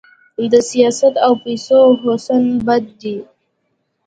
د سیاحت او پیسو هوسونه بد دي.